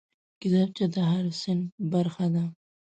کتابچه د هر صنف برخه ده